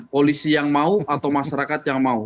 polisi yang mau atau masyarakat yang mau